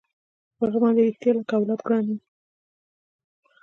پر هغه باندې رښتيا لکه اولاد ګران وم.